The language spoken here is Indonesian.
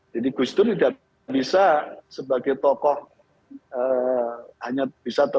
jadi gus dur tidak bisa sebagai tokoh hanya bisa dikawal